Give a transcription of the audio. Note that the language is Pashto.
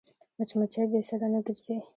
مچمچۍ بې سده نه ګرځي